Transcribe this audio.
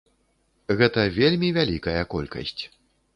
Гэта вельмі вялікая колькасць.